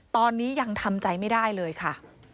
ตอนนี้ยังทำใจไม่ได้เลยค่ะ